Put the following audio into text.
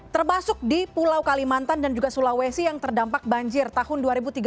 termasuk di pulau kalimantan dan juga sulawesi yang terdampak banjir tahun dua ribu tiga puluh